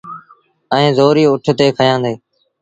ائيٚݩ زوريٚ اُٺ تي کيآݩدي۔